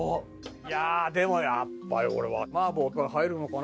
いやあでもやっぱり俺は麻婆入るのかな。